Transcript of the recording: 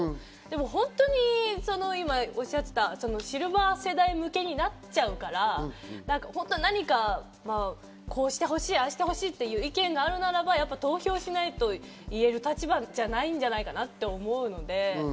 本当に今、おっしゃっていたシルバー世代向けになっちゃうから、何かこうしてほしい、ああしてほしいという意見があるならば投票しないと言える立場じゃないんじゃないかなって思うので。